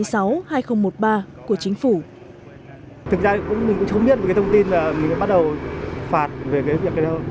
thực ra mình cũng không biết về cái thông tin mà mình bắt đầu phạt về cái việc này đâu